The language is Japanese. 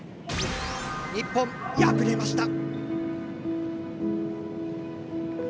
日本敗れました。